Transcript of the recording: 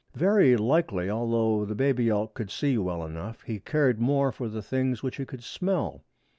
Very likely, although the baby elk could see well enough, he cared more for the things which he could smell.